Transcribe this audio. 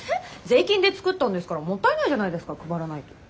税金で作ったんですからもったいないじゃないですか配らないと。